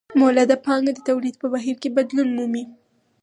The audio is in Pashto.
مولده پانګه د تولید په بهیر کې بدلون مومي